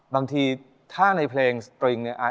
บางทีถ้าในเพลงจริงไอร์